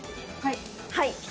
はい。